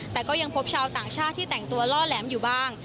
แต่ก็ยังพบชาวต่างชาติที่แต่งตัวล่อแหลมอยู่บ้าง